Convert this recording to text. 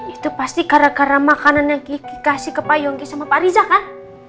itu pasti gara gara makanan yang kikasih ke pak yogi sama pak rija kan